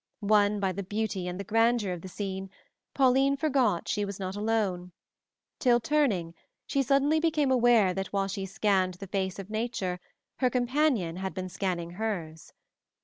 Won by the beauty and the grandeur of the scene, Pauline forgot she was not alone, till turning, she suddenly became aware that while she scanned the face of nature her companion had been scanning hers.